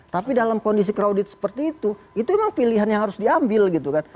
tapi dalam kondisi crowded seperti itu itu memang pilihan yang harus diambil gitu kan